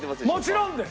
もちろんです！